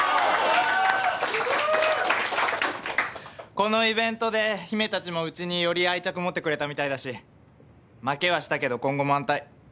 このイベントで姫たちもうちにより愛着持ってくれたみたいだし負けはしたけど今後も安泰。